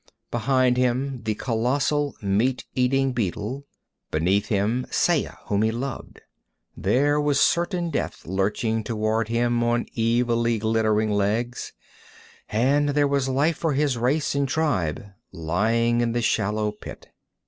Behind him the colossal meat eating beetle. Beneath him Saya, whom he loved. There was certain death lurching toward him on evilly glittering legs, and there was life for his race and tribe lying in the shallow pit.